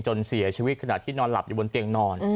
เสียชีวิตขณะที่นอนหลับอยู่บนเตียงนอน